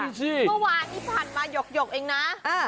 เมื่อวานนี้ผ่านมาหยกเองนะ